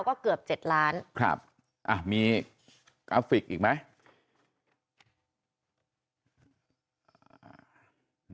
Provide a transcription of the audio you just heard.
เกือบเจ็ดล้านครับอ่ะมีอีกไหม